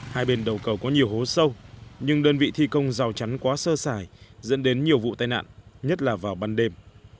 hai bên đầu cầu có nhiều hố sâu nhưng đơn vị thi công rào chắn quá sơ xài dẫn đến nhiều vụ tai nạn nhất là vào ban đêm